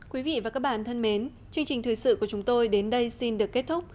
quý vị và các bạn thân mến chương trình thời sự của chúng tôi đến đây xin được kết thúc